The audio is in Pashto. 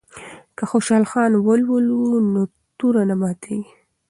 که خوشحال خان ولولو نو توره نه ماتیږي.